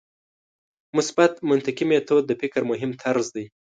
مثبت منطقي میتود د فکر مهم طرز دی.